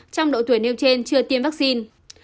trong độ tuổi nêu trên chưa tiêm vaccine